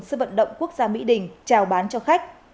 sư vận động quốc gia mỹ đình chào bán cho khách